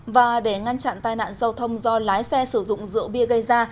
và để ngăn chặn tai nạn giao thông do lái xe sử dụng rượu bia gây ra